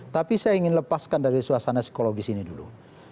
tapi saya ingin lepaskan dari suasana psikologis ini dulu